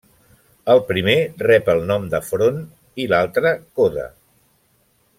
El primer rep el nom de front i l’altra coda.